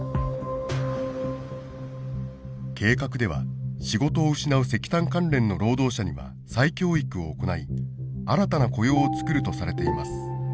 計画では仕事を失う石炭関連の労働者には再教育を行い新たな雇用をつくるとされています。